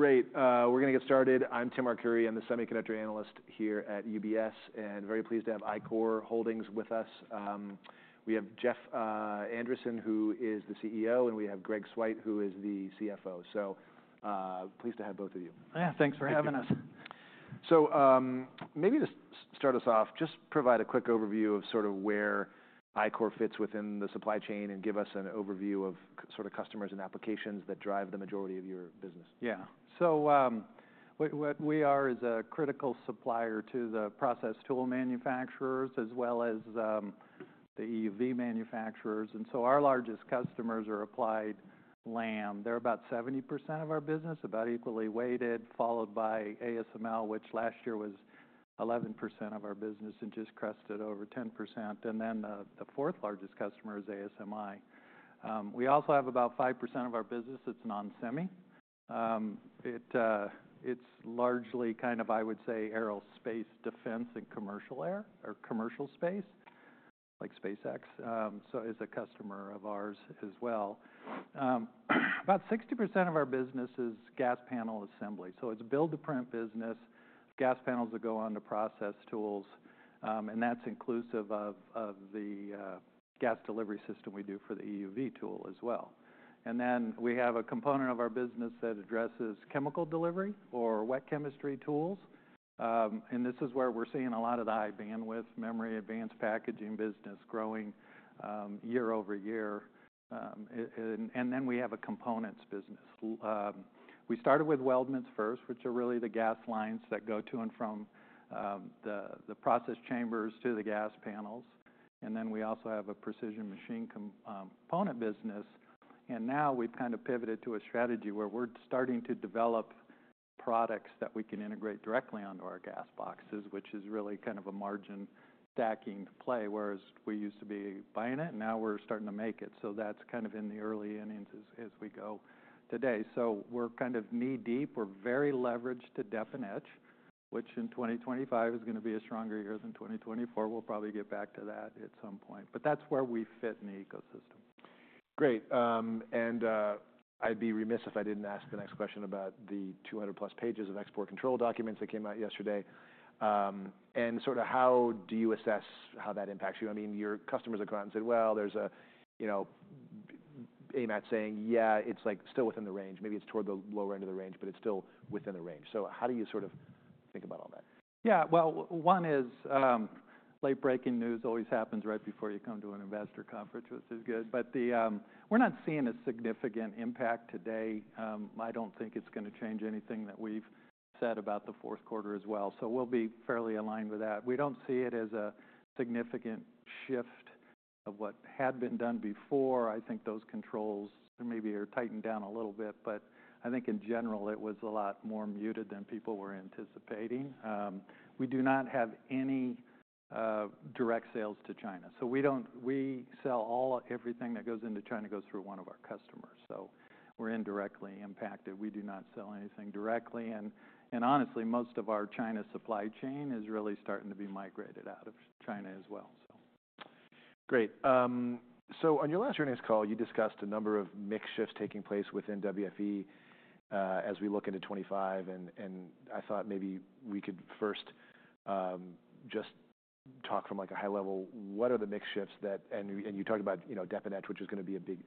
Great. We're going to get started. I'm Tim Arcuri. I'm the Semiconductor Analyst here at UBS, and very pleased to have Ichor Holdings with us. We have Jeff Andreson, who is the CEO, and we have Greg Swyt, who is the CFO, pleased to have both of you. Yeah, thanks for having us. So, maybe to start us off, just provide a quick overview of sort of where Ichor fits within the supply chain and give us an overview of sort of customers and applications that drive the majority of your business. Yeah, so, what we are is a critical supplier to the process tool manufacturers, as well as the EUV manufacturers, and so our largest customers are Applied, Lam. They're about 70% of our business, about equally weighted, followed by ASML, which last year was 11% of our business and just crested over 10%, and then the fourth largest customer is ASMI. We also have about 5% of our business that's non-semi. It's largely kind of, I would say, aerospace, defense, and commercial air, or commercial space, like SpaceX, so is a customer of ours as well. About 60% of our business is gas panel assembly, so it's a build-to-print business, gas panels that go on to process tools, and that's inclusive of the gas delivery system we do for the EUV tool as well. And then we have a component of our business that addresses chemical delivery or wet chemistry tools. And this is where we're seeing a lot of the high bandwidth memory advanced packaging business growing, year over year. And then we have a components business. We started with weldments first, which are really the gas lines that go to and from the process chambers to the gas panels. And then we also have a precision machine component business. And now we've kind of pivoted to a strategy where we're starting to develop products that we can integrate directly onto our gas boxes, which is really kind of a margin stacking play, whereas we used to be buying it, and now we're starting to make it. So that's kind of in the early innings as we go today. So we're kind of knee-deep. We're very leveraged to dep and etch, which in 2025 is going to be a stronger year than 2024. We'll probably get back to that at some point, but that's where we fit in the ecosystem. Great, and I'd be remiss if I didn't ask the next question about the 200+ pages of export control documents that came out yesterday, and sort of how do you assess how that impacts you? I mean, your customers have gone and said, well, there's a, you know, AMAT saying, yeah, it's like still within the range. Maybe it's toward the lower end of the range, but it's still within the range. So how do you sort of think about all that? Yeah, well, one is, late-breaking news always happens right before you come to an investor conference, which is good. But the, we're not seeing a significant impact today. I don't think it's going to change anything that we've said about the fourth quarter as well. So we'll be fairly aligned with that. We don't see it as a significant shift of what had been done before. I think those controls maybe are tightened down a little bit, but I think in general it was a lot more muted than people were anticipating. We do not have any direct sales to China. So we don't, we sell all everything that goes into China goes through one of our customers. So we're indirectly impacted. We do not sell anything directly. And honestly, most of our China supply chain is really starting to be migrated out of China as well. Great. So on your last earnings call, you discussed a number of mix shifts taking place within WFE, as we look into 2025. And I thought maybe we could first, just talk from like a high level, what are the mix shifts that, and you talked about, you know, deposition, which is going to be a big,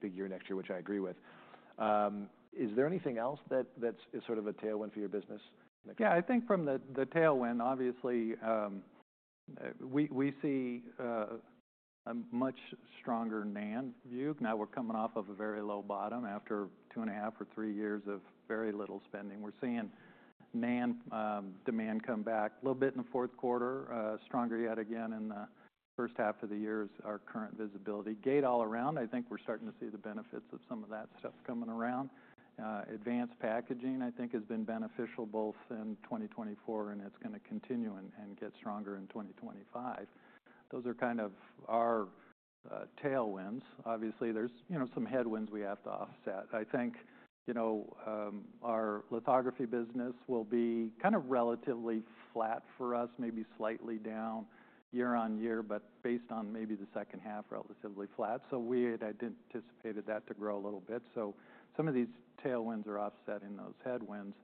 big year next year, which I agree with. Is there anything else that, that's sort of a tailwind for your business? Yeah, I think from the tailwind, obviously, we see a much stronger NAND view. Now we're coming off of a very low bottom after two and a half or three years of very little spending. We're seeing NAND demand come back a little bit in the fourth quarter, stronger yet again in the first half of the year is our current visibility. Gate-all-around, I think we're starting to see the benefits of some of that stuff coming around. Advanced packaging, I think, has been beneficial both in 2024, and it's going to continue and get stronger in 2025. Those are kind of our tailwinds. Obviously, there's, you know, some headwinds we have to offset. I think, you know, our lithography business will be kind of relatively flat for us, maybe slightly down year on year, but based on maybe the second half, relatively flat. So we had anticipated that to grow a little bit. So some of these tailwinds are offsetting those headwinds.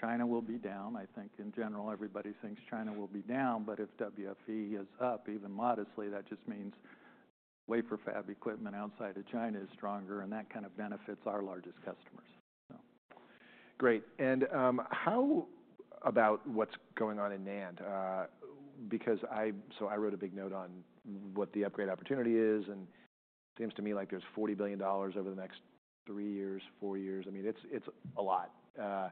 China will be down. I think in general, everybody thinks China will be down, but if WFE is up even modestly, that just means wafer fab equipment outside of China is stronger, and that kind of benefits our largest customers. Great. And how about what's going on in NAND? Because I, so I wrote a big note on what the upgrade opportunity is, and it seems to me like there's $40 billion over the next three years, four years. I mean, it's, it's a lot. And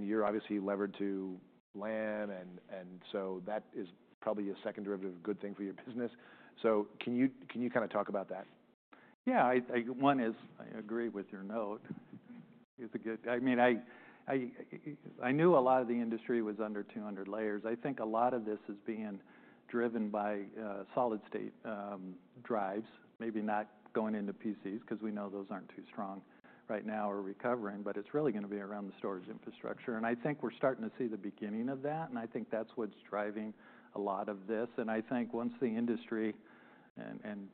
you're obviously levered to Lam,, and, and so that is probably a second derivative, good thing for your business. So can you, can you kind of talk about that? Yeah, I agree with your note. It's a good, I mean, I knew a lot of the industry was under 200 layers. I think a lot of this is being driven by solid-state drives, maybe not going into PCs, because we know those aren't too strong right now or recovering, but it's really going to be around the storage infrastructure. And I think we're starting to see the beginning of that, and I think that's what's driving a lot of this. And I think once the industry, and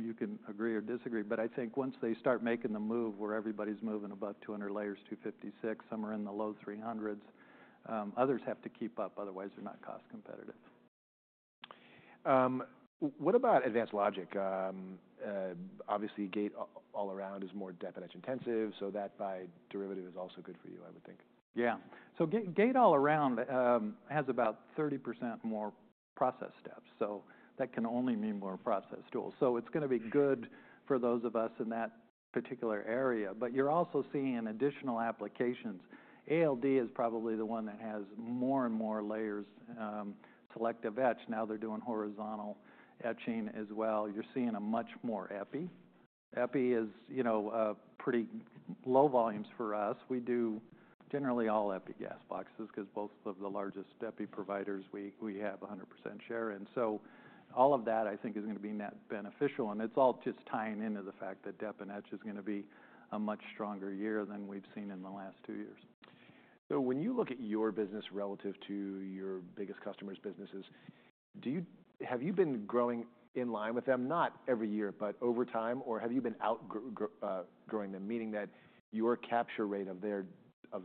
you can agree or disagree, but I think once they start making the move where everybody's moving above 200 layers, 256, some are in the low 300s, others have to keep up, otherwise they're not cost competitive. What about advanced logic? Obviously gate-all-around is more capital intensive, so the byproduct is also good for you, I would think. Yeah. So gate-all-around has about 30% more process steps. So that can only mean more process tools. So it's going to be good for those of us in that particular area. But you're also seeing additional applications. ALD is probably the one that has more and more layers, selective etch. Now they're doing horizontal etching as well. You're seeing a much more epi. Epi is, you know, pretty low volumes for us. We do generally all epi gas boxes, because both of the largest epi providers, we have 100% share. And so all of that, I think, is going to be net beneficial. And it's all just tying into the fact that dep and etch is going to be a much stronger year than we've seen in the last two years. So when you look at your business relative to your biggest customers' businesses, have you been growing in line with them, not every year, but over time, or have you been outgrowing them, meaning that your capture rate of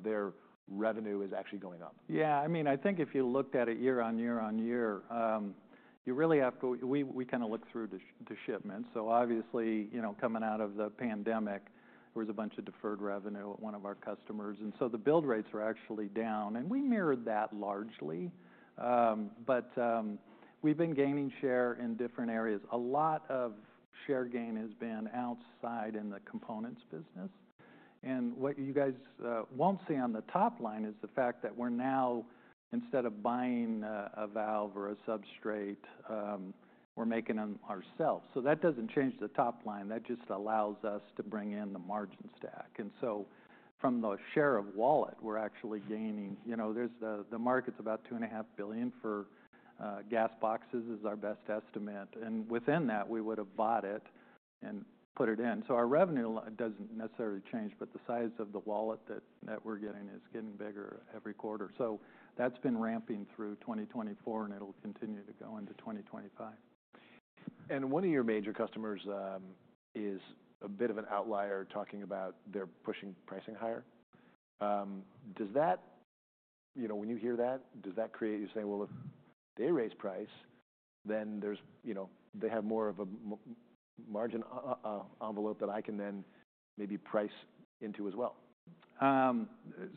their revenue is actually going up? Yeah, I mean, I think if you looked at it year on year on year, you really have to. We kind of look through the shipments. So obviously, you know, coming out of the pandemic, there was a bunch of deferred revenue at one of our customers. And so the build rates are actually down, and we mirrored that largely. But we've been gaining share in different areas. A lot of share gain has been outside in the components business. And what you guys won't see on the top line is the fact that we're now, instead of buying a valve or a substrate, we're making them ourselves. So that doesn't change the top line. That just allows us to bring in the margin stack. And so from the share of wallet, we're actually gaining, you know. There's the market's about $2.5 billion for gas boxes is our best estimate. And within that, we would have bought it and put it in. So our revenue doesn't necessarily change, but the size of the wallet that we're getting is getting bigger every quarter. So that's been ramping through 2024, and it'll continue to go into 2025. And one of your major customers is a bit of an outlier talking about they're pushing pricing higher. Does that, you know, when you hear that, does that create you say, well, if they raise price, then there's, you know, they have more of a margin envelope that I can then maybe price into as well?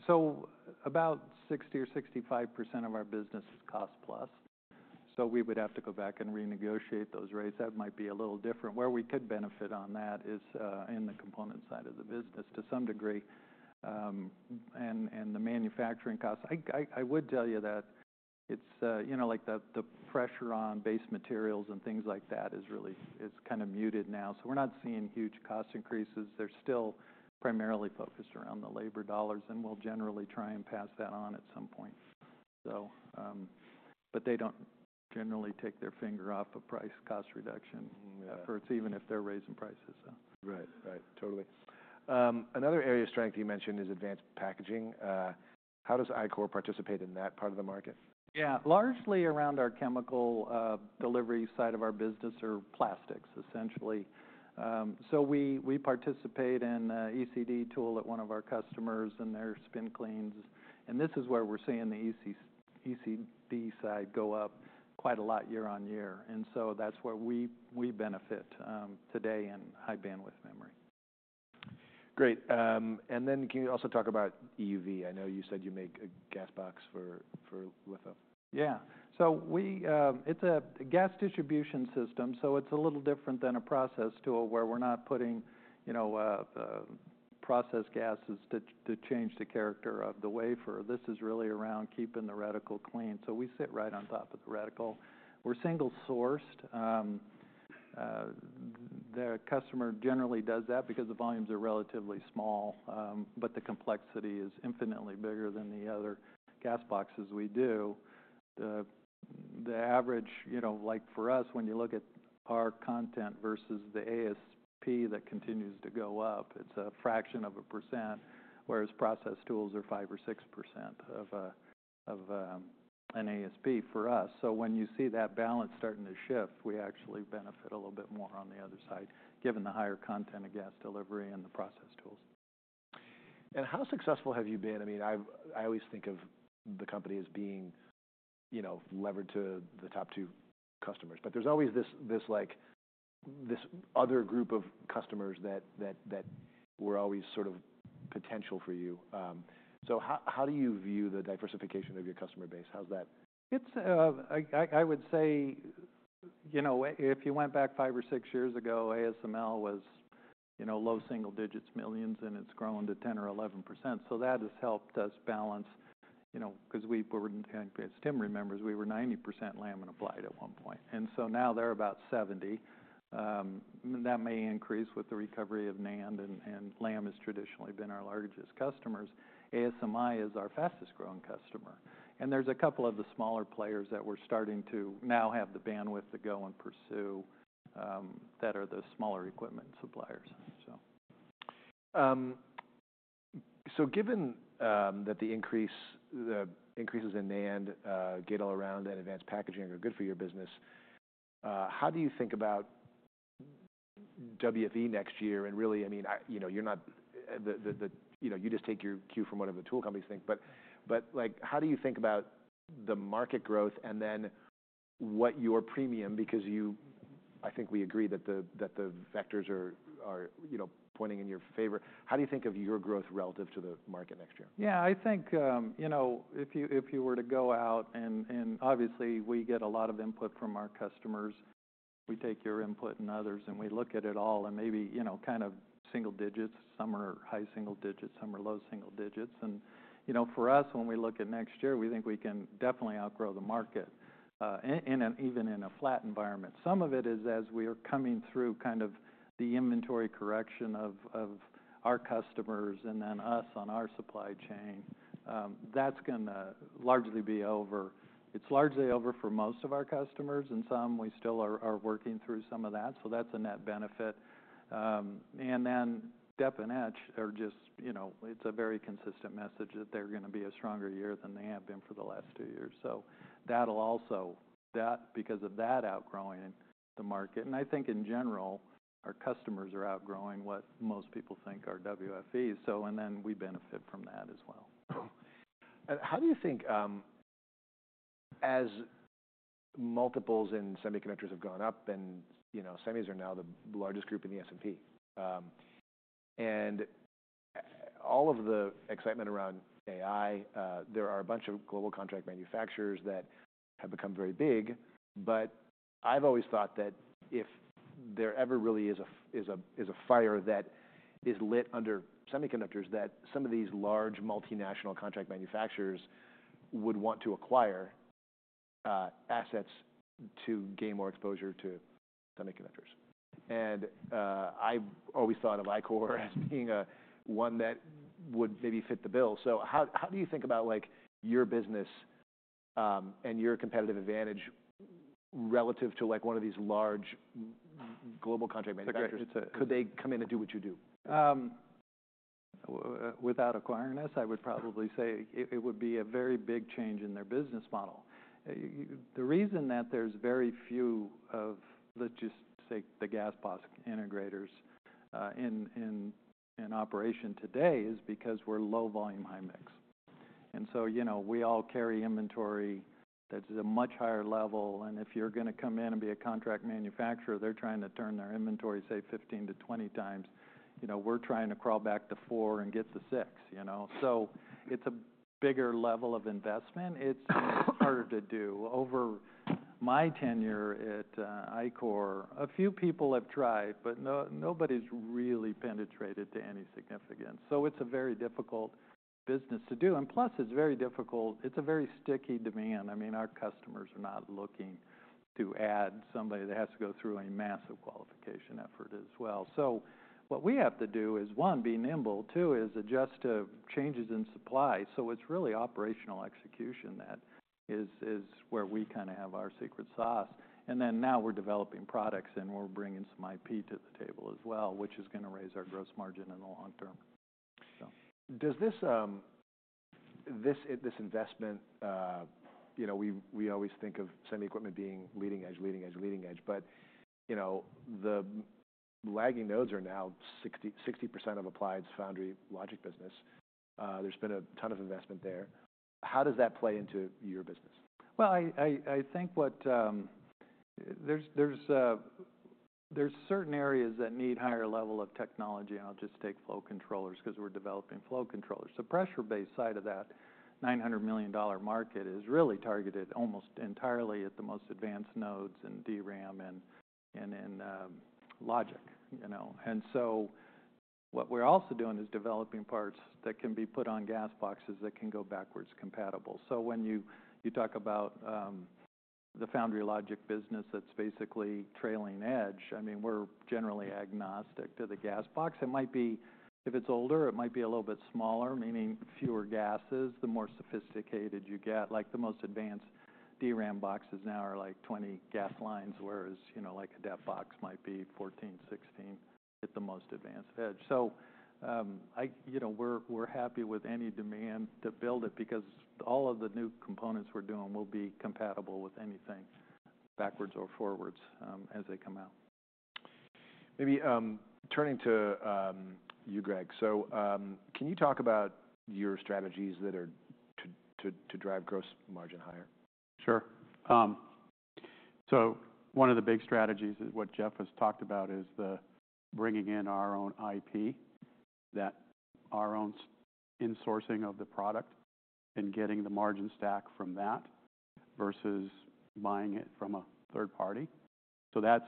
So about 60% or 65% of our business is cost plus. So we would have to go back and renegotiate those rates. That might be a little different. Where we could benefit on that is in the component side of the business to some degree, and the manufacturing costs. I would tell you that it's, you know, like the pressure on base materials and things like that is kind of muted now. So we're not seeing huge cost increases. They're still primarily focused around the labor dollars, and we'll generally try and pass that on at some point. So but they don't generally take their finger off a price cost reduction, or it's even if they're raising prices. Right, right. Totally. Another area of strength you mentioned is advanced packaging. How does Ichor participate in that part of the market? Yeah, largely around our chemical delivery side of our business are plastics, essentially. So we participate in an ECD tool at one of our customers and their spin cleans. And this is where we're seeing the ECD side go up quite a lot year on year. And so that's where we benefit today in high bandwidth memory. Great. And then can you also talk about EUV? I know you said you make a gas box for Litho. Yeah. So it's a gas distribution system. So it's a little different than a process tool where we're not putting, you know, process gases to change the character of the wafer. This is really around keeping the reticle clean. So we sit right on top of the reticle. We're single sourced. The customer generally does that because the volumes are relatively small, but the complexity is infinitely bigger than the other gas boxes we do. The average, you know, like for us, when you look at our content versus the ASP that continues to go up, it's a fraction of a percent, whereas process tools are 5% or 6% of an ASP for us. So when you see that balance starting to shift, we actually benefit a little bit more on the other side, given the higher content of gas delivery and the process tools. How successful have you been? I mean, I always think of the company as being, you know, levered to the top two customers, but there's always this like this other group of customers that were always sort of potential for you. How do you view the diversification of your customer base? How's that? It's, I would say, you know, if you went back five or six years ago, ASML was, you know, low single digits, millions, and it's grown to 10% or 11%. So that has helped us balance, you know, because we, as Tim remembers, we were 90% Lam and Applied at one point. And so now they're about 70%. That may increase with the recovery of NAND, and Lam has traditionally been our largest customers. ASMI is our fastest growing customer. And there's a couple of the smaller players that we're starting to now have the bandwidth to go and pursue, that are the smaller equipment suppliers. So, given that the increase, the increases in NAND, gate-all-around, and advanced packaging are good for your business, how do you think about WFE next year? And really, I mean, you know, you're not the, you just take your cue from whatever the tool companies think, but like, how do you think about the market growth and then what your premium, because you, I think we agree that the vectors are, you know, pointing in your favor, how do you think of your growth relative to the market next year? Yeah, I think, you know, if you were to go out and obviously we get a lot of input from our customers. We take your input and others, and we look at it all and maybe, you know, kind of single digits, some are high single digits, some are low single digits. You know, for us, when we look at next year, we think we can definitely outgrow the market in an even flat environment. Some of it is as we are coming through kind of the inventory correction of our customers and then us on our supply chain. That's going to largely be over. It's largely over for most of our customers, and some we still are working through some of that. That's a net benefit. And then definite etch are just, you know, it's a very consistent message that they're going to be a stronger year than they have been for the last two years. So that'll also because of that outgrowing the market. And I think in general, our customers are outgrowing what most people think are WFE's. So, and then we benefit from that as well. How do you think, as multiples in semiconductors have gone up and, you know, semis are now the largest group in the S&P, and all of the excitement around AI, there are a bunch of global contract manufacturers that have become very big, but I've always thought that if there ever really is a fire that is lit under semiconductors, that some of these large multinational contract manufacturers would want to acquire assets to gain more exposure to semiconductors. I always thought of Ichor as being one that would maybe fit the bill. How do you think about like your business, and your competitive advantage relative to like one of these large global contract manufacturers? Could they come in and do what you do? Without acquiring us, I would probably say it would be a very big change in their business model. The reason that there's very few of the, just say, the gas box integrators in operation today is because we're low volume, high mix. And so, you know, we all carry inventory that's a much higher level. And if you're going to come in and be a contract manufacturer, they're trying to turn their inventory, say, 15-20 times, you know, we're trying to crawl back to four and get to six, you know. So it's a bigger level of investment. It's harder to do. Over my tenure at Ichor, a few people have tried, but nobody's really penetrated to any significance. So it's a very difficult business to do. And plus, it's very difficult. It's a very sticky demand. I mean, our customers are not looking to add somebody that has to go through a massive qualification effort as well. So what we have to do is, one, be nimble. Two is adjust to changes in supply. So it's really operational execution that is where we kind of have our secret sauce. And then now we're developing products and we're bringing some IP to the table as well, which is going to raise our gross margin in the long term. Does this investment, you know, we always think of semi equipment being leading edge, leading edge, leading edge, but, you know, the lagging nodes are now 60% of Applied's foundry logic business. There's been a ton of investment there. How does that play into your business? I think there's certain areas that need higher level of technology. And I'll just take flow controllers because we're developing flow controllers. The pressure-based side of that $900 million market is really targeted almost entirely at the most advanced nodes and DRAM and logic, you know. And so what we're also doing is developing parts that can be put on gas boxes that can go backward compatible. So when you talk about the foundry logic business, that's basically trailing edge, I mean, we're generally agnostic to the gas box. It might be, if it's older, it might be a little bit smaller, meaning fewer gases, the more sophisticated you get. Like the most advanced DRAM boxes now are like 20 gas lines, whereas, you know, like a dep box might be 14-16 at the most advanced edge. So, you know, we're happy with any demand to build it because all of the new components we're doing will be compatible with anything backwards or forwards, as they come out. Maybe turning to you, Greg. So, can you talk about your strategies that are to drive gross margin higher? Sure. So one of the big strategies is what Jeff has talked about is the bringing in our own IP, that our own insourcing of the product and getting the margin stack from that versus buying it from a third party. So that's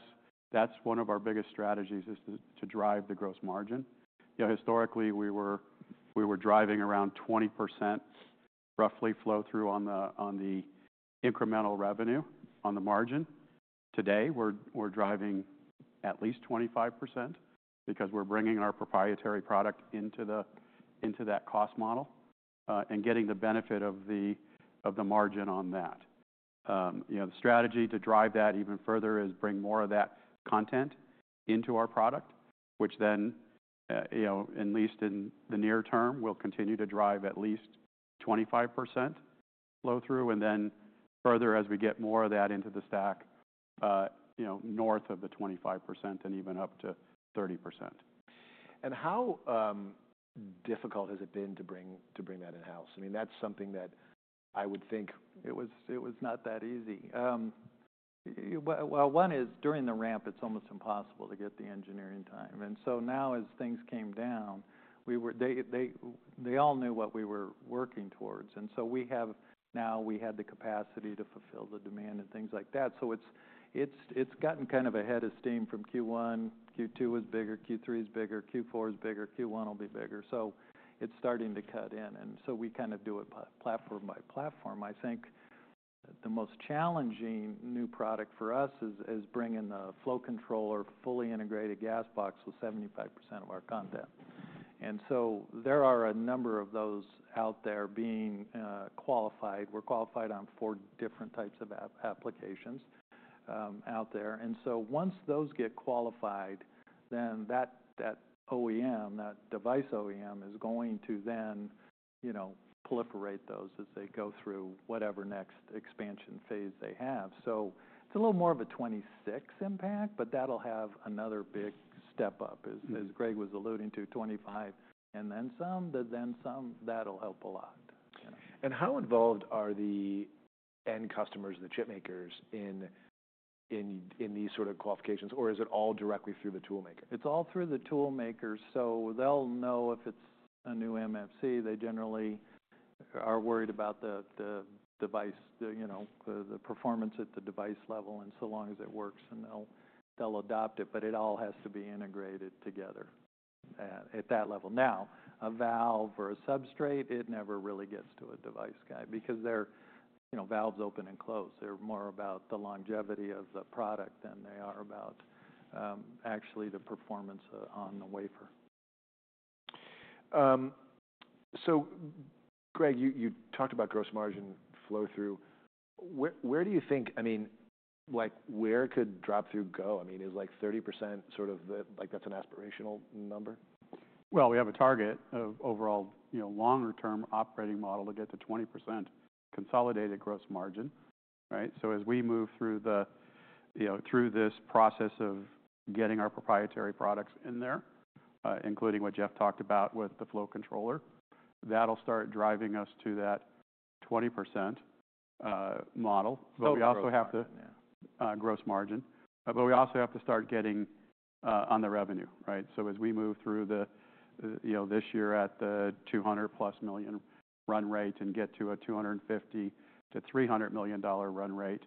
one of our biggest strategies is to drive the gross margin. You know, historically, we were driving around 20% roughly flow through on the on the incremental revenue on the margin. Today, we're driving at least 25% because we're bringing our proprietary product into that cost model, and getting the benefit of the margin on that. You know, the strategy to drive that even further is bring more of that content into our product, which then, you know, at least in the near term, we'll continue to drive at least 25% flow through and then further as we get more of that into the stack, you know, north of the 25% and even up to 30%. How difficult has it been to bring that in-house? I mean, that's something that I would think. It was not that easy. Well, one is during the ramp, it's almost impossible to get the engineering time. And so now as things came down, they all knew what we were working towards. And so we now had the capacity to fulfill the demand and things like that. So it's gotten kind of a head of steam from Q1. Q2 is bigger. Q3 is bigger. Q4 is bigger. Q1 will be bigger. So it's starting to kick in. And so we kind of do it platform by platform. I think the most challenging new product for us is bringing the flow controller fully integrated gas box with 75% of our content. And so there are a number of those out there being qualified. We're qualified on four different types of applications out there. And so once those get qualified, then that OEM, that device OEM is going to then, you know, proliferate those as they go through whatever next expansion phase they have. So it's a little more of a 2026 impact, but that'll have another big step up as Greg was alluding to, 2025 and then some, then some, that'll help a lot. How involved are the end customers, the chip makers in these sort of qualifications? Or is it all directly through the tool maker? It's all through the tool makers. So they'll know if it's a new MFC. They generally are worried about the device, you know, the performance at the device level and so long as it works and they'll adopt it, but it all has to be integrated together at that level. Now, a valve or a substrate, it never really gets to a device guy because they're, you know, valves open and close. They're more about the longevity of the product than they are about actually the performance on the wafer. So, Greg, you talked about gross margin flow through. Where do you think, I mean, like where could flow through go? I mean, is like 30% sort of the, like that's an aspirational number? We have a target of overall, you know, longer term operating model to get to 20% consolidated gross margin, right? So as we move through the, you know, through this process of getting our proprietary products in there, including what Jeff talked about with the flow controller, that'll start driving us to that 20% model. But we also have to start getting on the revenue, right? So as we move through the, you know, this year at the $200+ million run rate and get to a $250 million-$300 million run rate,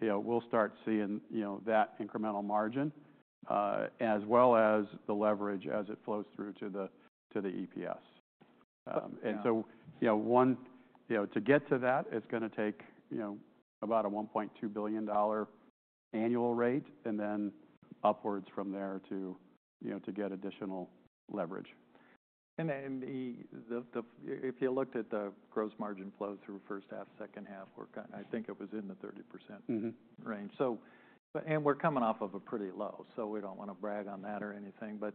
you know, we'll start seeing, you know, that incremental margin, as well as the leverage as it flows through to the EPS. And so, you know, one, you know, to get to that, it's going to take, you know, about a $1.2 billion annual rate and then upwards from there to, you know, to get additional leverage. And then the, if you looked at the gross margin flow through first half, second half, we're kind of, I think it was in the 30% range. So, but, and we're coming off of a pretty low, so we don't want to brag on that or anything, but,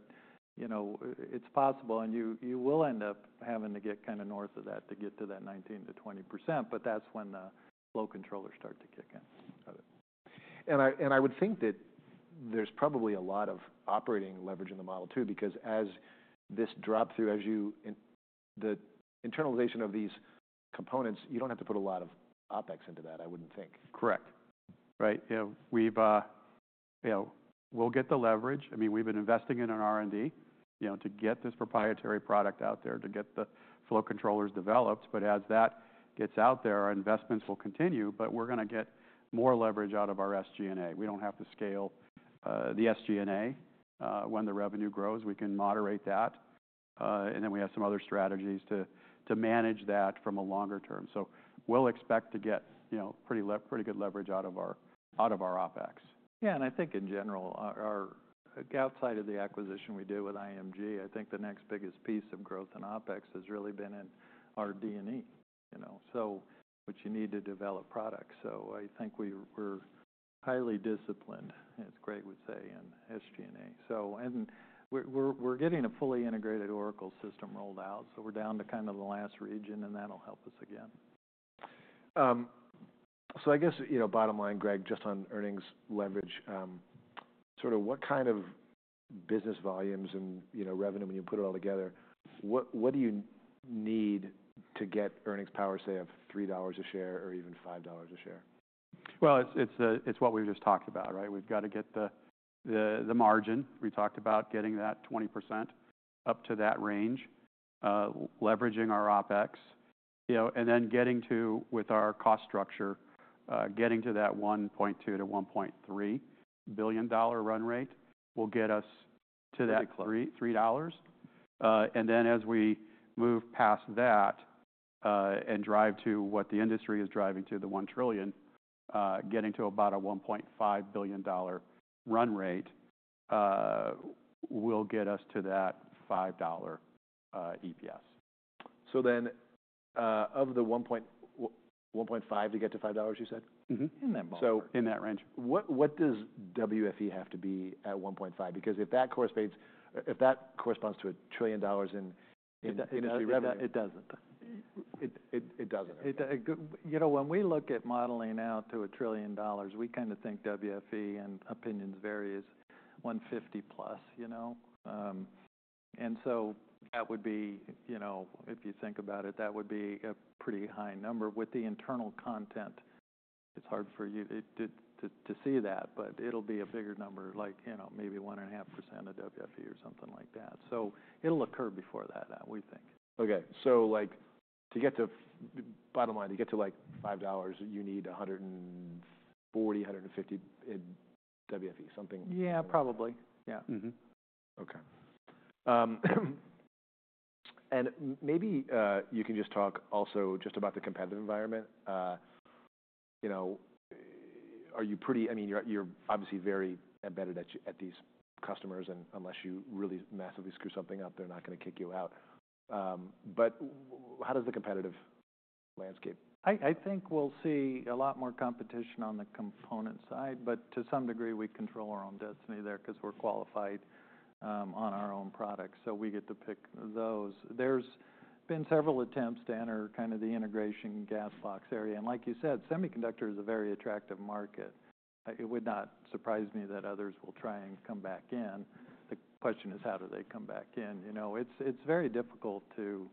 you know, it's possible and you will end up having to get kind of north of that to get to that 19%-20%, but that's when the flow controllers start to kick in. And I would think that there's probably a lot of operating leverage in the model too, because as this drop through, the internalization of these components, you don't have to put a lot of OpEx into that, I wouldn't think. Correct. Right. You know, we've, you know, we'll get the leverage. I mean, we've been investing in R&D, you know, to get this proprietary product out there to get the flow controllers developed. But as that gets out there, our investments will continue, but we're going to get more leverage out of our SG&A. We don't have to scale the SG&A when the revenue grows, we can moderate that. And then we have some other strategies to manage that from a longer term. So we'll expect to get, you know, pretty good leverage out of our OpEx. Yeah. And I think in general, our outside of the acquisition we do with IMG, I think the next biggest piece of growth in OpEx has really been in our R&D, you know, so which you need to develop products. So I think we're highly disciplined, as Greg would say, in SG&A. So we're getting a fully integrated Oracle system rolled out. So we're down to kind of the last region and that'll help us again. So I guess, you know, bottom line, Greg, just on earnings leverage, sort of what kind of business volumes and, you know, revenue when you put it all together, what, what do you need to get earnings power, say, of $3 a share or even $5 a share? It's what we've just talked about, right? We've got to get the margin. We talked about getting that 20% up to that range, leveraging our OpEx, you know, and then getting to, with our cost structure, getting to that $1.2 billion-$1.3 billion run rate will get us to that $3. And then as we move past that, and drive to what the industry is driving to the $1 trillion, getting to about a $1.5 billion run rate, will get us to that $5 EPS. So then, of the $1.5 billion to get to $5, you said? Mm-hmm. In that range. So in that range, what does WFE have to be at $1.5 billion? Because if that corresponds to $1 trillion in industry revenue. It doesn't. It doesn't. You know, when we look at modeling out to $1 trillion, we kind of think WFE and opinions vary is 150+, you know. And so that would be, you know, if you think about it, that would be a pretty high number with the internal content. It's hard for you to see that, but it'll be a bigger number, like, you know, maybe 1.5% of WFE or something like that. So it'll occur before that, we think. Okay. So like to get to bottom line, to get to like $5, you need 140-150 WFE, something. Yeah, probably. Yeah. Okay, and maybe you can just talk also just about the competitive environment. You know, are you pretty? I mean, you're obviously very embedded at these customers and unless you really massively screw something up, they're not going to kick you out. But how does the competitive landscape? I think we'll see a lot more competition on the component side, but to some degree we control our own destiny there because we're qualified on our own products. So we get to pick those. There's been several attempts to enter kind of the integration gas box area. And like you said, semiconductor is a very attractive market. It would not surprise me that others will try and come back in. The question is how do they come back in? You know, it's very difficult to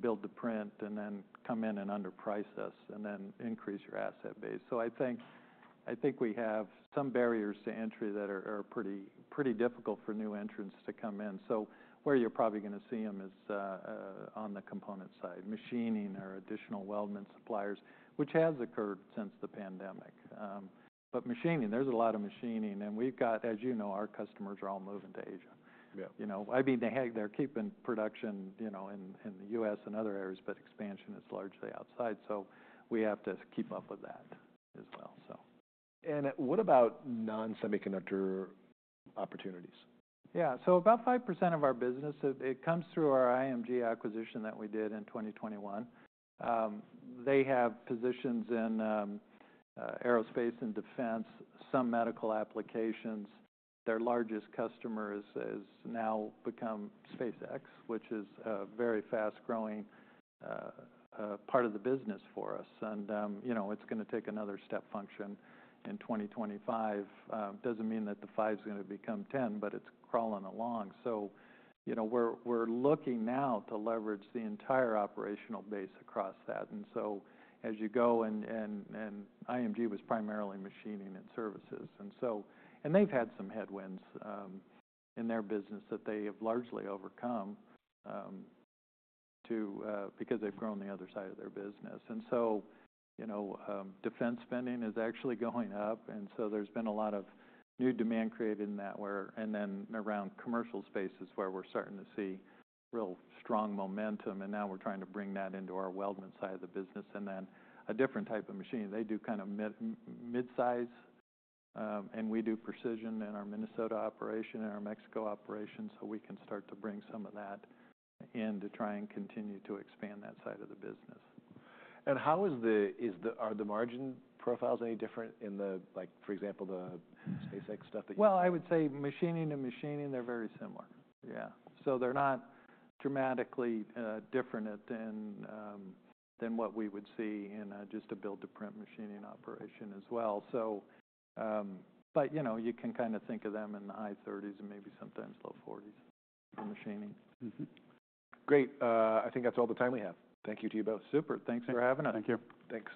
build the plant and then come in and underprice us and then increase your asset base. So I think we have some barriers to entry that are pretty difficult for new entrants to come in. So where you're probably going to see them is, on the component side, machining or additional weldment suppliers, which has occurred since the pandemic. But machining, there's a lot of machining and we've got, as you know, our customers are all moving to Asia. Yeah. You know, I mean, they have, they're keeping production, you know, in the U.S. and other areas, but expansion is largely outside. So we have to keep up with that as well. What about non-semiconductor opportunities? Yeah, so about 5% of our business, it comes through our IMG acquisition that we did in 2021. They have positions in aerospace and defense, some medical applications. Their largest customer has now become SpaceX, which is a very fast-growing part of the business for us, and you know, it's going to take another step function in 2025. Doesn't mean that the five is going to become ten, but it's crawling along, so you know, we're looking now to leverage the entire operational base across that, and so as you go and IMG was primarily machining and services, and so they've had some headwinds in their business that they have largely overcome because they've grown the other side of their business, and so you know, defense spending is actually going up. And so there's been a lot of new demand created in that where, and then around commercial spaces where we're starting to see real strong momentum. And now we're trying to bring that into our weldment side of the business and then a different type of machine. They do kind of mid-size, and we do precision in our Minnesota operation and our Mexico operation. So we can start to bring some of that in to try and continue to expand that side of the business. And how are the margin profiles any different in the, like, for example, the SpaceX stuff that you? Well, I would say machining and machining, they're very similar. Yeah. So they're not dramatically different than what we would see in just a build to print machining operation as well. So, but you know, you can kind of think of them in the high thirties and maybe sometimes low forties for machining. Great. I think that's all the time we have. Thank you to you both. Super. Thanks for having us. Thank you. Thanks.